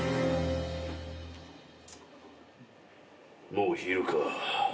もう昼か。